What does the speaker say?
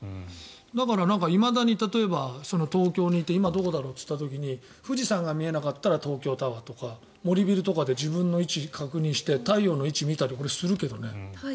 だから、いまだに例えば東京にいて今どこだろうといった時に富士山が見えなかったら東京タワーとか森ビルとかで自分の位置を確認して太陽の位置を見たり俺はするけどね。